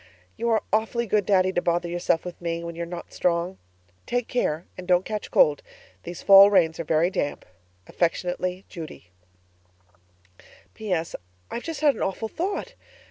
You are awfully good, Daddy, to bother yourself with me, when you're not strong. Take care and don't catch cold. These fall rains are very damp. Affectionately, Judy PS. I've just had an awful thought.